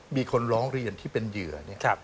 มีคนร้องเรียนที่เป็นเหยื่อเนี่ย